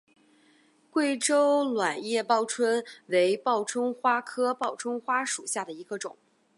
贵州卵叶报春为报春花科报春花属下的一个种。